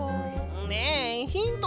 ねえヒント